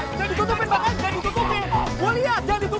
jangan ditutupin jangan ditutupin